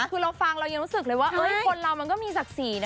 คือเราฟังเรายังรู้สึกเลยว่าคนเรามันก็มีศักดิ์ศรีนะ